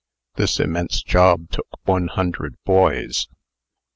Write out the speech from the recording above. This immense job took one hundred boys.